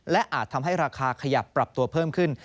และอาจทำให้ราคาขยับปรับตัวเพิ่มขึ้น